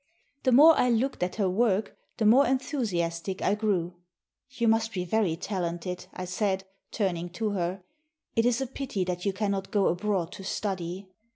The more I looked at her work, the more enthusiastic I grew. "You must be very talented," I said, turning to her. "It is a pity that you cannot go abroad to study."